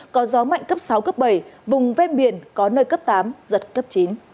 có gió mạnh cấp sáu cấp bảy vùng ven biển có nơi cấp tám giật cấp chín